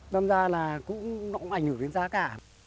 nói ra là cũng ảnh hưởng đến giá cả